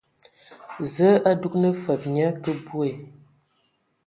Zǝǝ a dugan fǝg nye kǝ bwe.